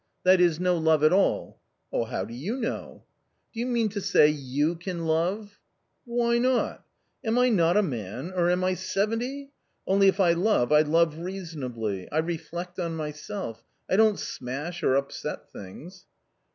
" That is, no love at all." " How do you know ?"" Do you mean to say you can love ?"" Why not ? Am I not a man, or am I seventy ? Only if I love, I love reasonably, I reflect on myself, I don't smash or upset things."